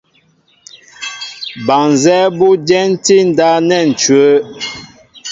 Ba nzɛ́ɛ́ bó ú dyɛntí ndáp nɛ́ ǹcʉ́wə́.